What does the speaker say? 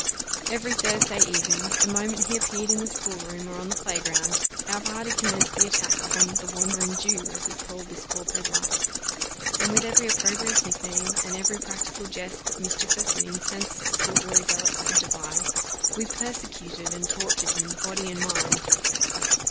Every Thursday evening, the moment he appeared in the school room, or on the play ground, our party commenced the attack upon "the Wandering Jew," as we called this poor pedlar; and with every opprobrious nickname, and every practical jest, that mischievous and incensed schoolboy zealots could devise, we persecuted and tortured him body and mind.